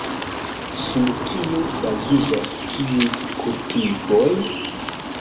Sur kio baziĝas tiuj kulpigoj?